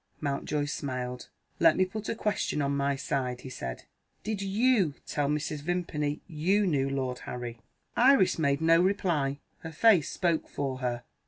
Mountjoy smiled. "Let me put a question on my side," he said. "Did you tell Mrs. Vimpany you knew Lord Harry?" Iris made no reply; her face spoke for her.